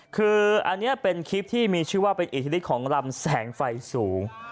คืออันนี้เป็นคลิปที่มีชื่อว่าเป็นอิทธิฤทธของลำแสงไฟสูง